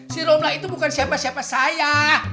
si romlah itu bukan siapa siapa saya